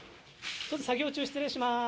ちょっと作業中、失礼します。